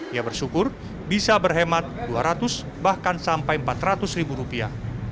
ia bersyukur bisa berhemat dua ratus bahkan sampai empat ratus ribu rupiah